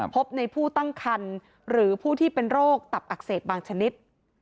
พบในผู้ตั้งคันหรือผู้ที่เป็นโรคตับอักเสบบางชนิด